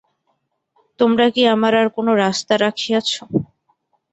তোমরা কি আমার আর-কোনো রাস্তা রাখিয়াছ?